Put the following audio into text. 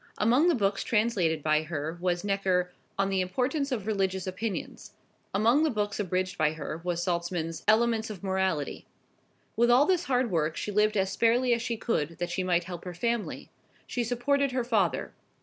Among the books translated by her was Necker "On the Importance of Religious Opinions." Among the books abridged by her was Salzmann's "Elements of Morality." With all this hard work she lived as sparely as she could, that she might help her family. She supported her father.